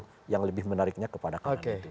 itu yang lebih menariknya kepada kanan itu